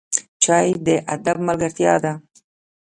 چای د ادب ملګرتیا ده